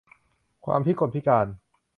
ความพิกลพิการ